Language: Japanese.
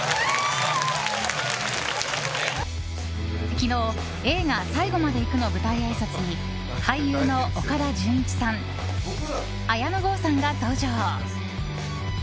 昨日、映画「最後まで行く」の舞台あいさつに俳優の岡田准一さん綾野剛さんが登場。